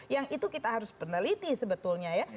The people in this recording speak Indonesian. yang itu kita harus peneliti sebetulnya ya